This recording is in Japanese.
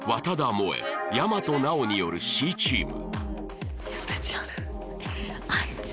萌衣大和奈央によるＣチーム